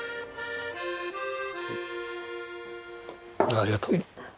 ありがとう。